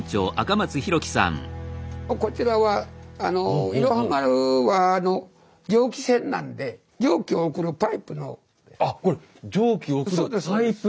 こちらは「いろは丸」は蒸気船なんであこれ蒸気を送るパイプ。